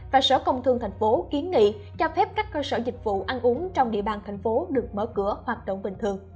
và sở công thương tp kiến nghị cho phép các cơ sở dịch vụ ăn uống trong địa bàn tp được mở cửa hoạt động bình thường